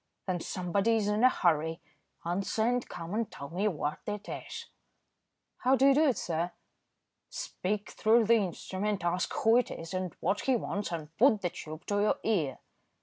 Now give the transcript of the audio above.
"Then somebody is in a hurry. Answer and come and tell me what it is." "How do you do it, sir?" "Speak through the instrument, ask who it is, and what he wants, and put the tube to your ear."